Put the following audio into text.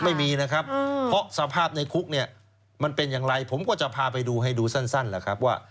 ไม่มีนะครับเพราะสภาพในคุกเนี่ยมันเป็นอย่างไรผมก็จะพาไปดูให้ดูสั้นแหละครับว่า